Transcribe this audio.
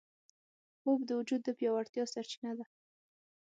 خوب د وجود د پیاوړتیا سرچینه ده